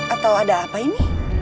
atau ada apa ini